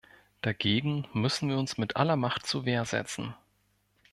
Dagegen müssen wir uns mit aller Macht zur Wehr setzen.